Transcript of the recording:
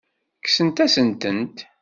Kksent-asent-tent.